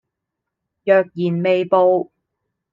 若然未報